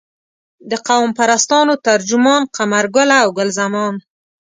د قوم پرستانو ترجمان قمرګله او ګل زمان.